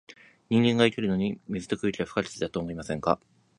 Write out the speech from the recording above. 人間が生きるのに、水と空気は不可欠だとは思いませんか？